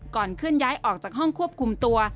เคลื่อนย้ายออกจากห้องควบคุมตัว